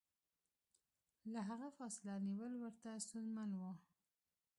له هغه فاصله نیول ورته ستونزمن و.